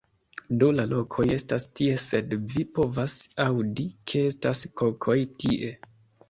Do, la kokoj estas tie sed vi povas aŭdi, ke estas kokoj tie